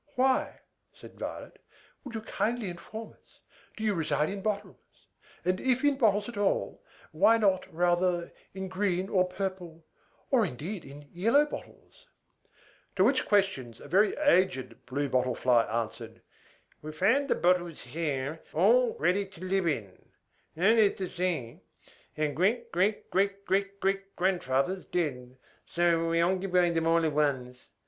"Why," said Violet, "would you kindly inform us, do you reside in bottles; and, if in bottles at all, why not, rather, in green or purple, or, indeed, in yellow bottles?" To which questions a very aged Blue Bottle Fly answered, "We found the bottles here all ready to live in; that is to say, our great great great great great grandfathers did: so we occupied them at once.